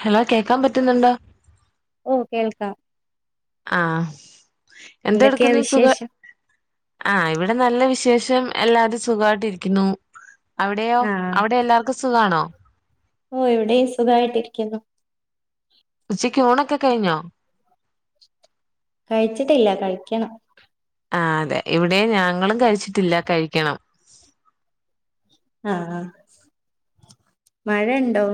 Hello കേക്കാൻ പറ്റുന്നുണ്ടോ ഓ കേൾക്കാം ആഹ എന്ത എന്തൊക്കെയാ എടുക്കുന്ന സുഖ വിശേഷം ആഹ ഇവിടെ നല്ല വിശേഷം ഉം എല്ലാവരും സുഖമായിട്ടിരിക്കുന്നു അവിടെയോ ആഹ് അവിടെ എല്ലാവർക്കും സുഖമാണോ ഓ ഇവിടെയും സുഖായിട്ടി ഇരിക്കുന്നു ഉച്ചക്ക് ഊണൊക്കെ കഴിഞ്ഞോ കഴിച്ചിട്ടില്ല കഴിക്കണം ആ അതെ ഇവിടെ ഞങ്ങളും കഴിച്ചിട്ടില്ല കഴിക്കണം ആഹ മഴുണ്ടോ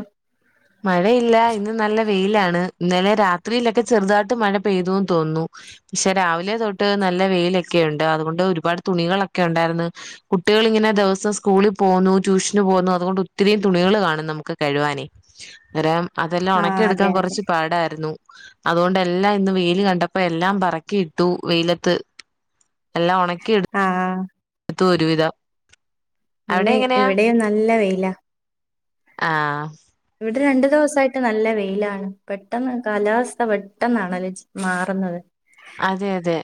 മഴയില്ല ഇന്ന് നല്ല വെയിലാണ് ഇന്നലെ രാത്രിയിലൊക്കെ ചെറുതായിട്ട് മഴ പെയ്തുന്ന് തോന്നുന്നു പക്ഷെ രാവിലെ തൊട്ട് നല്ല വെയിലൊക്കെയുണ്ട് അതുകൊണ്ട് ഒരുപാട് തുണികളൊക്കെ ഉണ്ടായിരുന്നു കുട്ടികൾിങ്ങനെ ദിവസം സ്കൂളിൽ പോന്നുന്നു ട്യൂഷന് പോന്നുന്നു അതുകൊണ്ട് ഒത്തിരിയും തുണികൾ കാണും നമുക്ക് കഴുവാനെ അന്നേരം അതെല്ലാം ആഹ് ഉണക്കിയെടുക്കാൻ അതെ അതെ കുറച്ച് പാടായിരുന്നു അതുകൊണ്ട് എല്ലാം ഇന്ന് വെയിയില് കണ്ടപ്പോ എല്ലാം പറക്കി ഇട്ടു വെയിലത്ത് എല്ലാം ഉണക്കി എടുത്തു ആഹ് ത്തു ഒരുവിധ ഇന്ന് ഇവിടെമ് നല്ല വെയില ആഹ അത് രണ്ടു ദിവസ ആയിട്ട് നല്ല വെയിലാണ് പെട്ടെന്ന് കാലാവസ്ഥ പെട്ടെന്നാണല്ലേ മാറുന്നത് അതെ അതെ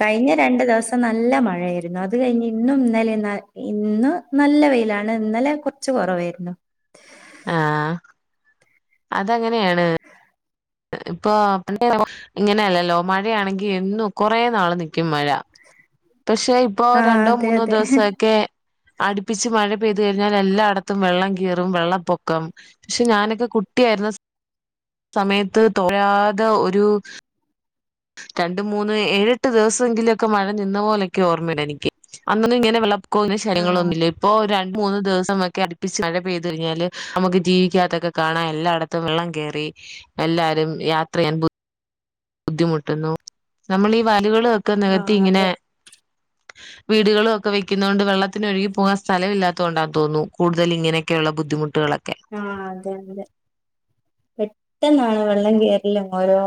കഴിഞ്ഞ രണ്ടു ദിവസം നല്ല മഴയായിരുന്നു അത് കഴിഞ്ഞ് ഇന്നും ഇന്നലെ ഇന്ന നല്ല വെയിലാണ് ഇന്നലെ കുറച്ച് കുറവായിരുന്നു ആഹ അതങ്ങനെയാണ് ഇപ്പൊ പിന്നെ ഇങ്ങനെയല്ലല്ലോ മഴയാണെങ്കി എന്നു കൊറെ നാള് നിക്കും മഴ പക്ഷെ ഇപ്പോൊ ആഹ് രണ്ടോ അതെ മൂന്നോ അതെ ദിവസമൊക്കെ അടുപ്പിച്ച് മഴ പെയ്തു കഴിഞ്ഞാൽ എല്ലായിടത്തും വെള്ളം കീറും വെള്ളപ്പൊക്കം പക്ഷെ ഞാനൊക്കെ കുട്ടിയായിരുന്ന സമയത്ത് തൊരാതെ ഒരു രണ്ട മൂന്ന് ഏഴെട്ട് ദിവസമെങ്കിലുമൊക്കെ മഴ നിന്ന പോോലൊക്കെ ഓർമ്മയുണ്ട് എനിക്ക് അന്നൊന്നും ഇങ്ങനെ വെള്ള പോുന്ന ആഹ് ശയങ്ങളൊന്നുമില്ല ഇപ്പോൊ രണ്ട് മൂന്ന് ദിവസമൊക്കെ അട്പ്പിച്ച് മഴ പെയ്ത് കഴിഞ്ഞാല് നമുക്ക് ടിവിക്കാത്തൊക്കെ കാണാം എല്ലാട്ത്തും വെള്ളം കേറി എല്ലാരും യാത്രയ്യാൻ ബുദ്ധി ബുദ്ധിമുട്ടുന്നു. നമ്മളി ഈ വയലുകൾ ഒക്കെ ആഹ് നെകത്തിങ്ങനെ അതെ വീടുകളൊക്കെ വെക്കുന്നോണ്ട് വെള്ളത്തിനൊഴുകി പോകാൻ സ്ഥലം ഇല്ലാത്തോണ്ടാന്ന് തോന്നു കൂടുതലിങ്ങനെയൊക്കെള്ള ബുദ്ധിമുട്ടുകളൊക് ആഹ് അതെ അതെ. പെട്ടെന്നാണ് വെള്ളം കേറലും ഓരോ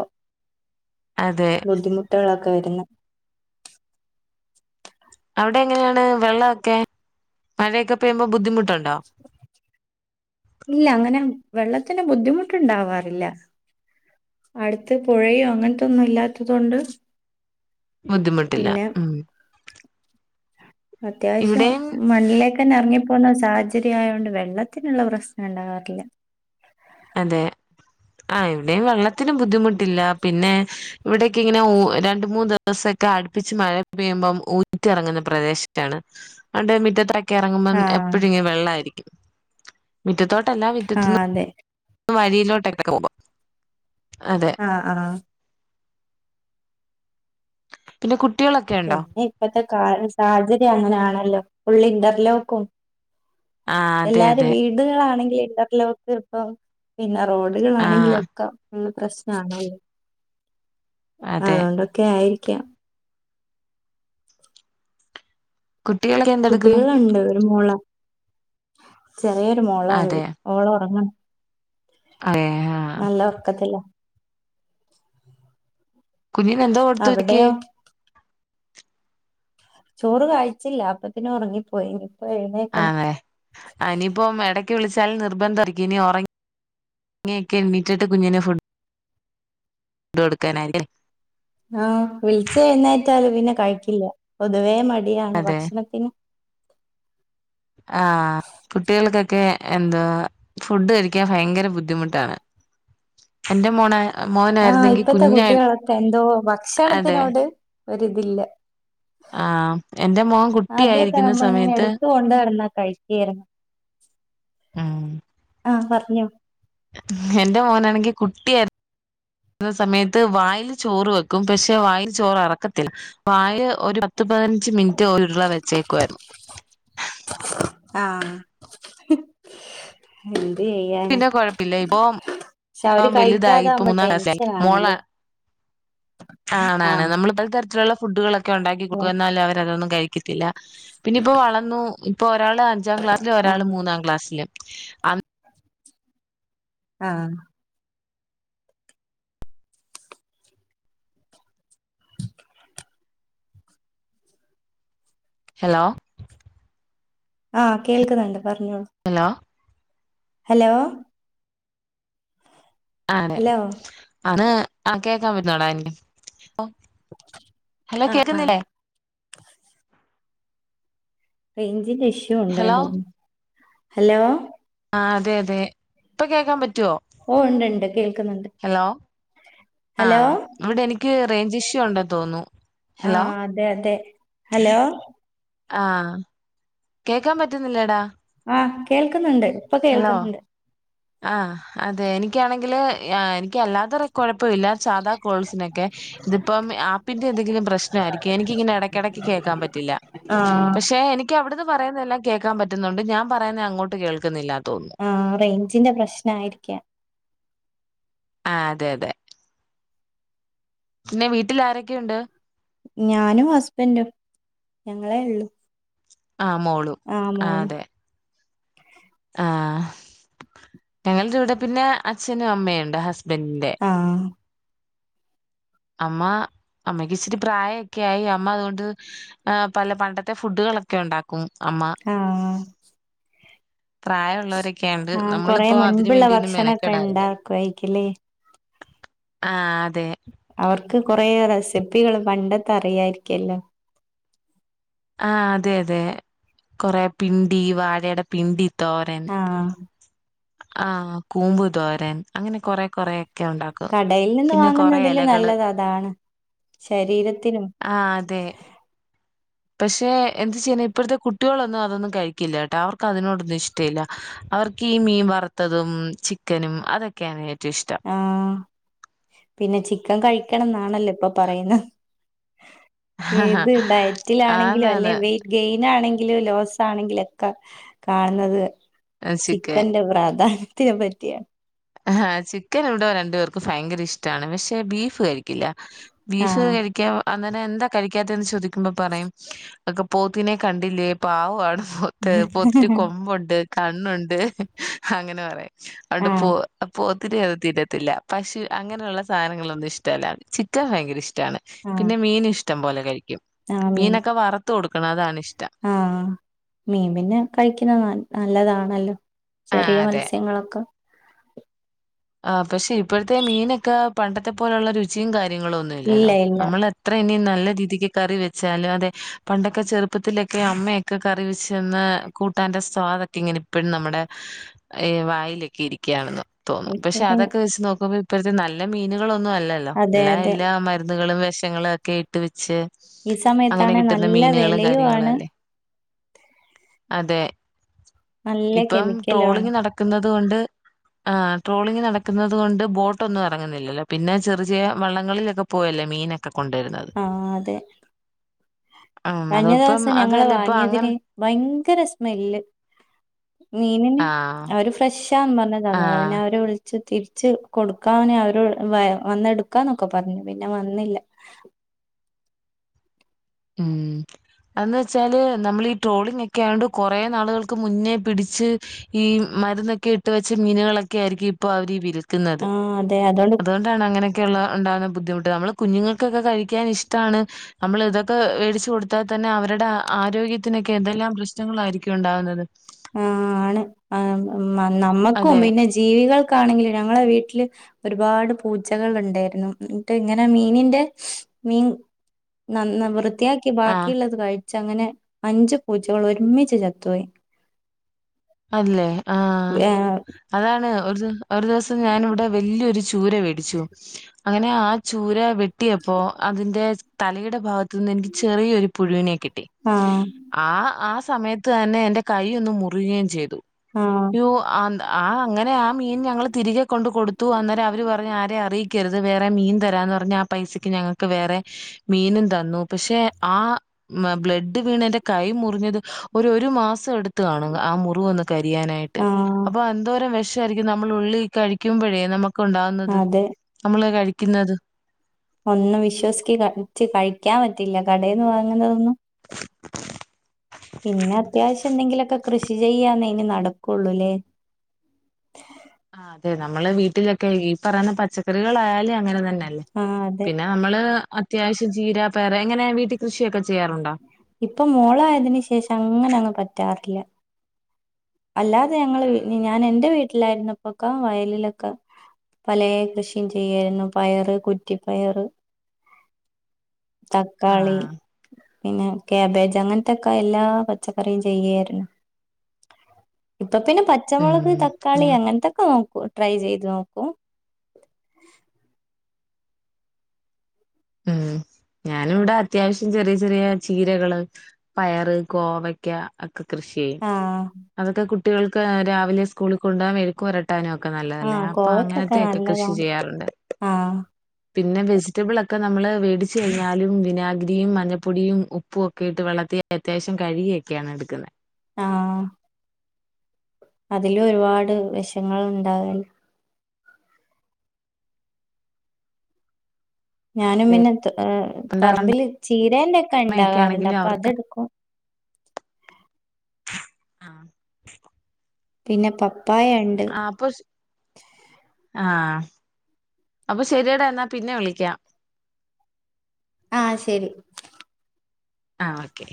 അതെ ബുദ്ധിമുട്ടാ ക്കെ വരുന്നേ അവിടെ എങ്ങനെയാണ് വെള്ളൊക്കെ മഴയൊക്കെ പെയ്യുമ്പോ ബുദ്ധിമുട്ടു ഇല്ല അങ്ങനെ വെള്ളത്തിന് ബുദ്ധിമുട്ടുണ്ടാവാറില്ല അടുത്ത് പുഴയോ അങ്ങനത്തൊന്നും ഇല്ലാത്തത് കൊണ്ട് ബുദ്ധിമുട്ടില്ല പിന്നെ ഉം അത്യാവശ്യം ഇവിടെയും മണ്ണിലേക്കെ തന്നെ ഇറങ്ങിപ്പോകുന്ന സാഹചര്യം ആയതോണ്ട് വെള്ളത്തിനുള്ള പ്രശ്നം ഉണ്ടാവാറില്ല അതെ ആ ഇവിടെയും വെള്ളത്തിനും ബുദ്ധിമുട്ടില്ല പിന്നെ ഇവിടൊക്കെ ഇങ്ങനെ രണ്ട് മൂന്ന് ദിവസൊക്കെ അടുപ്പിച്ച് മഴ പെയ്യുമ്പം ഊറ്റിറങ്ങുന്ന പ്രദേശമാണ് അതോണ്ട് മിറ്റത്ത് ക്ക് ഇറങ്ങുമ്പോ ആഹ് എപ്പോഴും വെള്ളമായിരിക്കും മിറ്റത്തോട്ടല്ല ആഹ് മിറ്റത്ത്ന്ന് അതെ വഴിയിലൊട്ടൊക്കെ പോകും അതെ ആഹ ആഹ പിന്നെ കു പിന്നെ ഇപ്പഴത്തെ കാല് സാഹചര്യം അങ്ങനൊണല്ലോ ഫുള്ളി ഇന്റർലോക്കും ആഹ് അതെ എല്ലാരും അതെ വീടുകളാണെങ്കി ഇന്റർലോക്ക് ഇപ്പോ എല്ലാർ ആഹ് റോഡുകളാണെങ്കിലൊക്കെ ഉള്ള പ്രശ്നണേ ആ അതെ അതൊക്കെ ആയിരി ക്കും കുട്ടികളൊക്കെ എന്തെടുക്കുന്നു കുട്ടികളുണ്ട് ഒരു മോള ചെറിയൊരു മോളാണ് അതെ മോള് ഉറങ്ങണ് അതെ ആഹ് നല്ല ഒറക്കത്തില്ല കുഞ്ഞീന് എന്താ കൊടുത്തു ഇരിക്കേ അവിടെയോ ചോറ് കഴിച്ചില്ല അപ്പത്തിന് ഒറങ്ങിപ്പോയി എഴുന്നേക്കണം ആതെ ഇനിയിപ്പം എട ക്ക് വിളിച്ചാലും നിർബന്ധം ആയിരിക്കും ഇനി ഒറങ്ങിയക്കെ എണീറ്റിട്ട് കുഞ്ഞിന് ഫുഡ് കൊടുക്കാനായിരിക്കും അല്ലെ ആ വിളിച്ചാ എഴുന്നേറ്റാലും പിന്നെ കഴിക്കില്ല പൊതുവേ മ ടിയാണ് ഭക്ഷണത്തിനും ആ കുട്ടികൾക്കെ ക്കെ എന്താ ഫുഡ് കഴിക്കാൻ ഭയങ്കര ബുദ്ധിമുട്ടാണ് എന്റെ മോനെ ആ ഇപ്പഴത്തെ കുട്ടികളൊക്കെ എന്തോ ഭക്ഷണത്തിനോട് ഒരു ഇതില്ല ആ എന്റെ മോൻ കുട്ടിയായിരിക്കുന്ന നമ്മളിങ്ങനെ സമയത്ത് എടുത്തു കൊണ്ട് നടന്നാ കഴിക്കായിരുന്നു ഉം ആഹ് പറഞ്ഞോ എന്റെ മോനാണെങ്കി കുട്ടി ആ യിരുന്ന സമയത്ത് വായിൽ ചോറ് വെക്കും പക്ഷെ വായിൽ ചോറെറക്കത്തില്ല വായില് ഒരു പത്ത് പതിനഞ്ച് മിനിറ്റ് ഒരു ഉരുള വെച്ചേക്കുവായിരുന്നു ആഹ് ആ പിന്നെ കൊഴപ്പില്ല ഇപ്പൊ പക്ഷെ അവര് വെലുതായി ഇപ്പം കഴിക്കാതാവുമ്പോ മൂന്നാം ക്ലാസിൽ ആയി ടെൻഷൻ മോള് ആണല്ലേ ആ ആണാണ് ആഹ് നമ്മള് പലതരത്തിലുള്ള ഫു ഫുഡുകളൊ ക്കെ ഉണ്ടാക്കി കൊടുക്കും എന്നാലും അവര് അതൊന്നും ത്തില്ല പിന്നെ ഇപ്പോ വളർന്നു ഇപ്പൊ ഒരാള് അഞ്ചാം ക്ലാസില് ഒരാള് ആഹ് മൂന്നാം ക്ലാസിലും അ ആ ഹലോ ആ കേൾക്കുന്നുണ്ട് പറഞ്ഞോളൂ ഹലോ ഹലോ ഹലോ ആണ് ആ കേക്കാൻ പറ്റുന്നോടാ എന്റെ ഓ ഹലോ ആഹ് ആഹ് കേക്കുന്നില്ലേ റേഞ്ചിന്റെ ഇ ഇഷ്യൂ ഉണ്ടേന്ന് ഹലോ തോന്നുന്നു ഹലോ ആ അതെ അതെ ഇപ്പൊ കേൾക്കാൻ പറ്റു ഓ ഉണ്ട്ണ്ട് കേൾക്കുന്നുണ്ട് ആ ഹലോ ഇവിടെ എനിക്ക് നിക്ക് റേഞ്ച് ഇഷ്യു ഉണ്ടെന്ന് തോന്നുന്നു ആ ഹലോ അതെ അതെ ഹലോ ആ കേൾക്കാൻ പറ്റുന്നില്ലേടാ ആഹ് കേൾക്കുന്നുണ്ട് ഇപ്പൊ കേൾക്കുന്നുണ്ട് ആ അതെ എനിക്കാണെങ്കില് എനിക്ക് അല്ലാ കുഴപ്പില്ലാ സാധ കോൾസിനൊക്കെ ഇതിപ്പം ആപ്പിന്റെ എന്തെങ്കിലും പ്രശ്നാരിക്കും എനിക്കിങ്ങനെ ഇടക്കിടക്ക് കേൾക്കാൻ പറ്റില്ല ആഹ് പക്ഷെ എനിക്കവിടുന്നു പറയുന്നതല്ലാം കേൾക്കാൻ പറ്റുന്നുണ്ട് ഞാൻ പറയുന്നത് അങ്ങോട്ട് കേൾക്കുന്നില്ല ആ റേഞ്ചിന്റെ പ്രശ്ന ആയിരിക്ക ആ അതെ അതെ പിന്നെ വീട്ടിൽ ആരൊക്കെയുണ്ട് ഞാനും ഹസ്ബൻഡും ഞങ്ങളേ ഉള്ളു ആ മോളും ആഹ് ആ മോളും അതെ ആ ഞങ്ങള ഇവിടെ പിന്നെ അച്ഛനും അമ്മയയുംണ്ട് ഹസ്ബ ആ അമ്മ അമ്മക്ക് ഇച്ചിരി പ്രായൊക്കെ ആയി അമ്മ അതുകൊണ്ട് പല പണ്ടത്തെ ഫുഡുകളൊക്കെ ഉണ്ടാക്കും അമ്മ ആ പ്രായമുള്ളവരൊക്കെയാണ്ട് ആ കൊറെ നമ്മളിപ്പോ അതിന് മുൻപുള്ള വേണ്ടിയൊന്നും ഭക്ഷണൊക്കെ മെനക്കെടാറില്ലല്ലോ ഉണ്ടാക്കായിരിലേ ആ അതെ കൊറെേ റെസിപ്പികള് പണ്ടത്തെ അറിയായിരിക്കല്ലോ ആ അതെ അതെ കൊറെ പിണ്ടി വാഴയുടെ പിണ്ടി തോരൻ ആഹ് ആ കൂമ്പുതോരൻ അങ്ങനെ കൊറെ കൊറെ ഉണ്ടാക്കും കടയിൽ നിന്ന് പിന്നെ വാങ്ങുന്നതില് ഇലകള് നല്ലത് അതാണ് ശരീരത്തിനും ആ അതെ പക്ഷെ എന്തച്ചാൽ ഇപ്പഴത്തെ കുട്ടികളൊന്നും അതൊന്നും കഴിക്കില്ല കേട്ടാ അവർക്ക് അതിനോടൊന്നും ഇഷ്ടമല്ല അവർക്ക് ഈ മീൻ വറുത്തതും ചിക്കനും അതൊക്കെയാണ് ഏറ്റവും ഇഷ്ടം ആ പിന്നെ ചിക്കൻ കഴിക്കണംന്നാ ആണല്ലേ ഇപ്പൊ പറയുന്ന ഏത് ഡയറ്റിലാണെങ്കിലും അല്ലെ ആന്നാന്ന്. വെറ്റ് ഗെയിൻ പിന്ന ആണെങ്കിലും ലോസ ആണെങ്കിലൊക്കെ കാണുന്നത് ആഹ് ചിക്കൻ. ചിക്കൻന്റെ പ്രാധാന്യം അതിനെ പറ്റിയാ ആ ചി ചിക്കൻ ഇവിടെ രണ്ടു പേർക്ക് ഭയങ്കര ഇഷ്ടമാണ് പക്ഷേ ബീഫ് കഴിക്കില്ല ബീഫ് ആഹ് കഴിക്കാ അ അങ്ങനെ എന്താ കഴിക്കാതെന്ന് ചോദിക്ക ചോദിക്കുമ്പോ പറയും ഒക്കെ പോത്തിനെ കണ്ടില്ലേ പാവം ആണ് പോത്ത് പോത്തിന് കൊമ്പുണ്ട് കണ്ണുണ്ട് അങ്ങനെ പറയാ അണ്ട് പോ ആഹ് പോത്തിനെയൊന്നു തീന്നത്തില്ല പശു അങ്ങനെയുള്ള സാധനങ്ങളൊന്നും ഇഷ്ടമല്ല ചിക്കൻ ഭയങ്കര ഇഷ്ട്ടാ ആഹ് പിന്നെ മീൻ ഇഷ്ട്ടാ ഇഷ്ട്ടം പോലെ കഴിക്കും മീനൊക്കെ വറുത്ത് കൊടുക്കും കൊടുക്കണതാണ് ഇഷ്ട്ടം ആഹ മീൻ പിന്നെ കഴിക്കുന്നത് നല്ലതാണ് [unintelligible] ആഹ് ചെറിയ മത്സ്യങ്ങളൊക്കെ ആ പക്ഷെ ഇപ്പോഴത്തെ മീനൊക്കെ പണ്ടത്തെ പോലുള്ള രുചിയുംകാര്യം കാര്യങ്ങൾ ഇല്ല ഒന്നുമില്ലല്ലോ ഇല്ല നമ്മൾ എത്ര ഇനി നിന്നാലും നല്ല രീതിക്ക് കറി വെച്ചാലും അതെ പണ്ടൊക്കെ ചെറുപ്പത്തിലൊക്കെ അമ്മയൊക്കെ കറി വച്ചാൽ ചെന്ന് കൂട്ടാന്റെ സ്വാദ് ഇങ്ങനെ ഇപ്പോഴും നമ്മുടെ വായിലൊക്കെ ഇരിക്കുകയാണെന്നും ഇപ്പൊ പക്ഷെ പിന്നെ അതൊക്കെ വച്ചു നോക്കുമ്പോ ഇപ്പോഴത്തെ നല്ല മീനുകളൊന്നും അല്ലല്ലോ അതെ എല്ലാ അതെ എല്ലാ മരുന്നുകളും വിഷങ്ങളും വിഷാങ്ങളൊക്കെ ഇട്ട് വെച്ച് ഈ അങ്ങനെ സമയത്താണ് കിട്ടുന്ന നല്ല മീനുകളും വിലയ്യും കാര്യങ്ങളും ആണ് അല്ലേ അതെ നല്ല ഇപ്പം കെമിക്കലും ആണ് ട്രോളിങ് നടക്കുന്നത് അതുകൊണ്ട് ആ ട്രോളിംഗ് നടക്കുന്നത് കൊണ്ട് ബോട്ടൊന്നും ഇറങ്ങുന്നില്ലല്ലോ പിന്നെ ചെറ് ചെറിയ വള്ളങ്ങളിലൊക്കെ പോയല്ലേ മീനൊക്കെ കൊണ്ടുവരുന്നത് ആ അതെ ഉം കഴിഞ്ഞ അതിപ്പം ദിവസം ഞങ്ങൾ അതല്ല ഇപ്പൊ അങ്ങനെ വാങ്ങിയതിന് ഭയങ്കര സ്മെല് മീനിന് ആഹ് അവര് ഫ്രഷ് ഫ്രഷാ‌ണെന്ന് പറഞ്ഞത് തന്നത പിന്നെ ആഹ് അവരെ വിളിച്ചു തിരിച്ചു കൊടുക്കാനെ അവര വന്നെടുക്കാന്നൊക്കെ പറഞ്ഞു പിന്നെ വന്നില്ല ഉം അന്ന് വെച്ചാല് നമ്മൾ ഈ ട്രോളിംഗ ഒക്കെ ആയുകൊണ്ട് കുറെ നാളുകൾക്ക് മുന്നേ പിടിച്ച് ഈ മരുന്നൊക്കെ ഇട്ട് വെച്ച മീനുകളൊക്കെ ആയിരിക്കും ഇപ്പൊ അവര് വിരു ആഹ് അതെ അതോണ്ട് അതുകൊണ്ടാണ് അങ്ങനെയൊക്കെയുള്ളള്ള ഉണ്ടാവുന്ന ബുദ്ധിമുട്ട് നമ്മള് കുഞ്ഞുങ്ങൾക്കൊക്കെ കഴിക്കാൻ ഇഷ്ടമാണ് നമ്മൾ ഇതൊക്കെ ഇപ്പ വേടിച്ചു കൊടുത്താൽ തന്നെ അവരുടെ ആരോഗ്യത്തിനൊക്കെ എന്തെല്ലാം പ്രശ്നങ്ങളായിരിക്കും ഉണ്ടാവുന്നത് ആ ആണ് ആ മ നമ്മുക്കും അതെ പിന്നെ ജീവികൾ ആണെങ്കിൽ ഞങ്ങളെ വീട്ടില് ഒരുപാട് പൂചകൾ ഉണ്ടായിരുന്നു എന്നിട്ട് ഇങ്ങനെ മീനിന്റെ മീൻ നന്ന വൃ യാക്കെ ആഹ് ബാക്കിുള്ളത് കഴ് അങ്ങനെ അഞ്ചു പൂച്ചകൾ ഒരുമിച്ച് ചത്തുപോയി. അല്ലെ ആ ഏഹ് അതാണ് ഒരു ഒരു ദിവസം ഞാനിവിടെ വല്ല്യരു ചൂര വെടിച്ചു അങ്ങനെ ആ ചൂര വെ ട്ടിയപ്പോ അതിന്റെ തലയുടെ ഭാഗത്ത്ന്ന് എനിക്ക് ചെറിയൊരു പുഴുവിനെക്ക കിട്ടി ട്ടി ആഹ് ആ ആ സമയത്ത് തന്നെ എന്റെ കൈ ഒന്ന് മുറിഞ്ഞേ ചെയ്തു ആഹ് യ്യോ ആ അങ്ങനെ ആ മീൻ ഞങ്ങൾ തിരികെ കൊണ്ട് കൊടുത്തു അന്നേരം അവര് പറഞ്ഞ് ആരെ അറിയി കരുത് വേറെ മീൻ തരാന്ന് പറഞ്ഞി ആ പൈസക്ക് ഞങ്ങക്ക് വേറെ മീനും തന്നു പക്ഷെ ആ ബ്ലഡ്‌ വീണ കൈ മുറിഞ്ഞത് രു ഒരു മാസം എടുത്തു കാണും ആ മു [inaudible] കരിയാനായിട്ട് ആഹ് അപ്പൊ എന്തോരം വേഷ് [unintelligible] നമ്മൾ ഉള്ളിൽ കഴിക്കുമ്പോഴേ നമു കുണ്ടാവുന്നത് അതെ നമ്മള് കഴ ഇന്നത് ഒന്നും വിശ്വസിച്ചി കഴച്ച് കഴിക്കാൻ പറ്റില്ല കാടെന്നു വാങ്ങുന്നതൊന്നും പിന്നെ അത്യാവശ്യം എന്തെങ്കിലോക്കെ കൃഷി ചെയ്യാന്ന ഇനി നടക്കുള്ളൂല്ലേ ആ അതെ നമ്മള് വീട്ടിലൊക്കെ ഈ പറയണ പച്ചക്കറികളായാലേ അങ്ങനെ തന്നെ അല്ല് ആഹ് അതെ പിന്നെ നമ്മള് അത്യാവശ്യം ചീര പേറ എങ്ങനെ വീട്ടീ കൃഷിയൊക്കെ ചെയ്യാറുണ്ടോ ഇപ്പൊ മോളായതിന് ശേഷം അങ്ങനെ അങ്ങ് പറ്റാറില്ല. അല്ലാതെ ഞങ്ങള് ഞാന് എന്റെ വീ ട്ടിലായിരുന്നപ്പൊക്കെ വയലിലൊക്കെ പലേ കൃഷിയും ചെയ്യായിരുന്നു പയറ്, കുറ്റിപ്പയറ് തക്കാളി ആഹ് പിന്നെ കാബേജ് അങ്ങനത്തെക്കെ എല്ലാ പച്ചക്കറിയും ചെയ്യായിരുന്നു ഇപ്പൊ പിന്നെ ഉം പച്ചമുളക് തക്കാളി ഞാ അങ്ങനത്തൊക്കെ നോ പ്പൊ ട്രൈ ചെയ്ത് നോക്കും ഉം ഞാനുവിടെ അത്യാവശ്യം ചെറിയ ചെറിയ ചീരകള്, പയറ്, കോവക്ക, ക്കെ കൃഷി ചെയ്യും. ആഹ് അതൊക്കെ കുട്ട് ട്ടികൾക്ക് രാവിലെ സ്കൂളീ കൊണ്ടാ മെഴുക്കുവരട്ടാനും. ഒക്കെ നല്ലതല്ലേ ആഹ് അപ്പൊ കോവയ്ക്കൊക്കെ അങ്ങനത്തെക്കെ കൃഷി നല്ലതാണ് ചെയ്യാറുണ്ട് ആഹ് പിന്നെ വെജിറ്റബിള ക്കെ നമ്മള് വേടിച്ചു കഴിഞ്ഞാലും വിനാഗിരിയും മഞ്ഞപ്പൊടിയും ഉപ്പും ഒക്കെ ഇട്ട് വെള്ളത്തി അത്യാവശ്യം കഴുകിയൊക്കെയാണ് എടുക്കുന്നെ ആ അതില ഒരുപാട് വിഷങ്ങൾ ഉണ്ടാവില്ല ഞാനും അതെ പിന്നെ പണ്ടമ്മയൊക്കെ പറമ്പില് ചീരേന്റെ ഒക്കെ ഉണ്ടാകാറുണ്ട് ആണെങ്കിലും അപ്പൊ അവർക്ക് അതെടുക്കും ആ പിന്നെ പപ്പ ആ അപ്പൊ ആഹ് അപ്പൊ ശരിയടാ എന്നാ പിന്നെ വിളിക്കാം ആ ശരി ആ ഓക്കെ